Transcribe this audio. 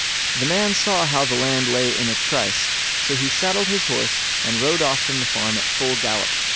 The man saw how the land lay in a trice, so he saddled his horse and rode off from the farm at full gallop.